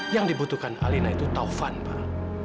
yang dibutuhkan alina itu taufan pak